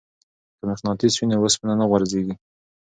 که مقناطیس وي نو وسپنه نه غورځیږي.